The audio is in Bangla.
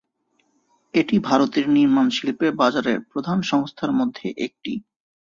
এটি ভারতের নির্মাণ শিল্পের বাজারের প্রধান সংস্থার মধ্যে একটি।